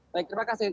baik terima kasih